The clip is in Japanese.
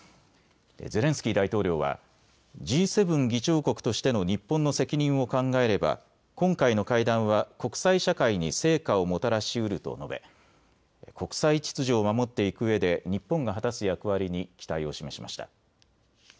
ゼレンスキー大統領はＧ７議長国としての日本の責任を考えれば今回の会談は国際社会に成果をもたらしうると述べ国際秩序を守っていくうえで日本が果たす役割に期待を示しました。